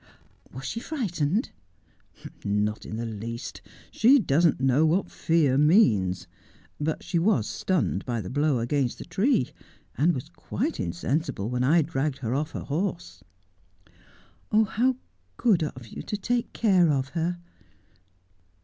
' Was she frightened 1 ' 'Not in the least. She doesn't know what fear means. But she was stunned by the blow against the tree, and was quite insensible when I dragged her off her horse.' ' How good of you to take care of her